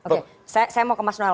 oke saya mau ke mas donald